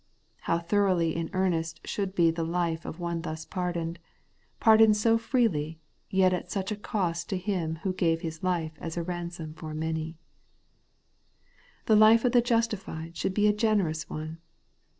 How thoroughly in earnest should be the life of one thus pardoned, — pardoned so freely, yet at such a cost to Him who ' gave His life a ransom for many !' The life of the justified should be a generous one.